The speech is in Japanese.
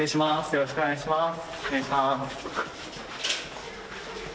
よろしくお願いします。